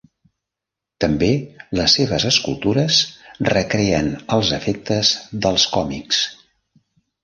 També les seves escultures recreen els efectes dels còmics.